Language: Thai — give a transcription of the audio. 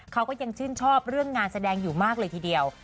เขาก็ยังชื่นชอบเรื่องงานแสดงอยู่มากเลยทีเดียว